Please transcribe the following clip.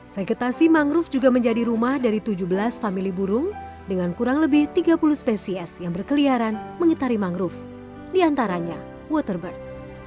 vegetasi mangrove juga menjadi rumah dari tujuh belas famili burung dengan kurang lebih tiga puluh spesies yang berkeliaran mengitari mangrove diantaranya waterbird